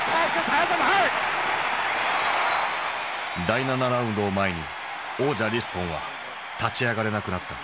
第７ラウンドを前に王者リストンは立ち上がれなくなった。